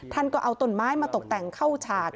ท่านก็เอาต้นไม้มาตกแต่งเข้าฉาก